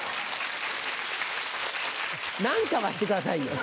なんかはしてくださいよ！